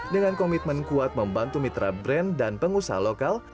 dengan komitmen kuat membantu mitra brand dan pengusaha lokal